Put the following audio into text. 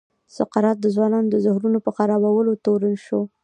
سقراط د ځوانانو د ذهنونو په خرابولو تورن شو.